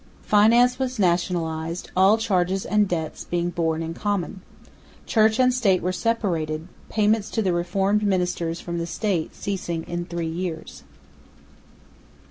Finance was nationalised, all charges and debts being borne in common. Church and State were separated, payments to the Reformed ministers from the State ceasing in three years.